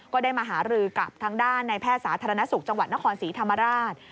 ก็ได้มาหารือกับทางด้านในแพทย์สาธารณสุขจังหวัดนครศรีธรรมราช